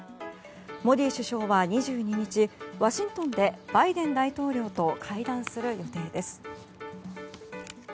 モディ首相は、２２日ワシントンでバイデン大統領と会談する予定です。